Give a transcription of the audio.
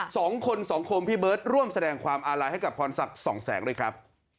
สองคนสองคมพี่เบิร์ตร่วมแสดงความอาลัยให้กับพรศักดิ์สองแสงด้วยครับ